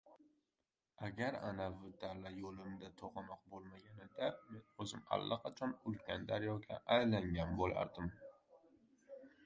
“Agar anavi dala yoʻlimga toʻgʻanoq boʻlmaganida, men oʻzim allaqachon ulkan daryoga aylangan boʻlardim!”